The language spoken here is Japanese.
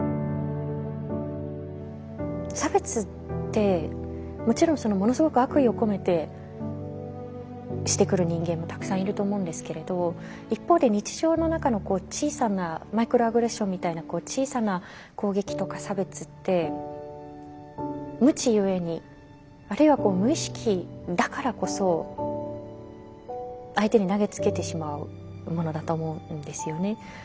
差別ってもちろんものすごく悪意を込めてしてくる人間もたくさんいると思うんですけれど一方で日常の中の小さなマイクロアグレッションみたいな小さな攻撃とか差別って無知ゆえにあるいは無意識だからこそ相手に投げつけてしまうものだと思うんですよね。